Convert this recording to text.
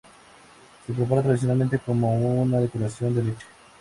Se prepara tradicionalmente como una decocción de leche.